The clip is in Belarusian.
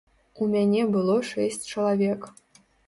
У мяне было шэсць чалавек.